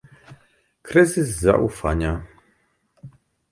Kryzys zaufania?